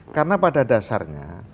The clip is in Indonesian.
karena pada dasarnya